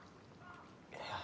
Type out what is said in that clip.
いや。